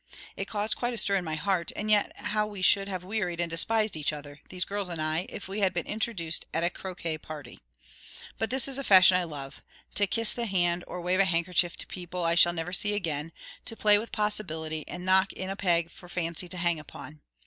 It caused quite a stir in my heart; and yet how we should have wearied and despised each other, these girls and I, if we had been introduced at a croquet party! But this is a fashion I love: to kiss the hand or wave a handkerchief to people I shall never see again, to play with possibility, and knock in a peg for fancy to hang upon.